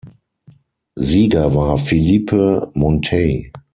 Sieger war Philippe Monteil.